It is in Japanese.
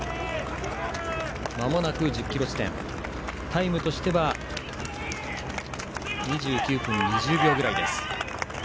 １０ｋｍ地点、タイムとしては２９分２０秒ぐらいです。